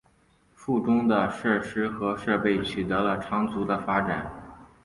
附中的设施和设备取得了长足的发展。